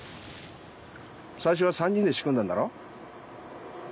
最初は３人で仕組んだんだろ？